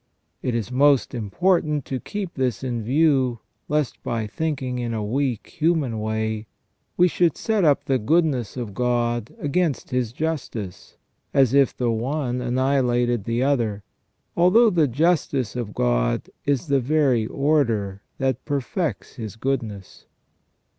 It is most important to keep this in view, lest by thinking in a weak, human way, we should set up the goodness of God against His justice, as if the one annihilated the other, although the justice of God is the very order that perfects His goodness.